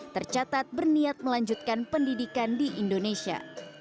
tercatat berniat melanjutkan pendidikan di indonesia